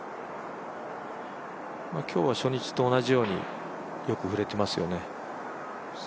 今日は初日と同じようによく振れてますよね。